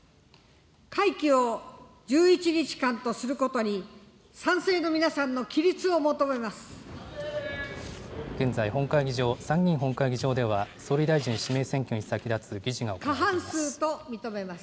会期を１１日間とすることに賛成現在本会議場、参議院本会議場では、総理大臣指名選挙に先立つ議事が行われています。